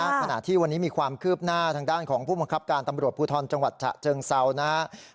ขณะที่วันนี้มีความคืบหน้าทางด้านของผู้บังคับการตำรวจภูทรจังหวัดฉะเชิงเซานะครับ